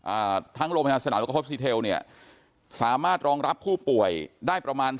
อ่าทั้งโรงพยาบาลสนามและเนี้ยสามารถรองรับผู้ป่วยได้ประมาณ